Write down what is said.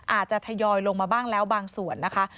อาจจะทยอยลงมาบ้างแล้วบางส่วนนะคะ